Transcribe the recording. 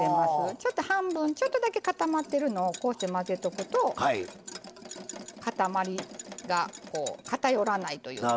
ちょっと半分ちょっとだけ固まってるのをこうして混ぜとくと固まりが偏らないというか。